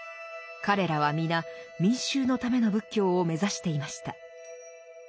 彼らは皆民衆のための仏教を目指していました。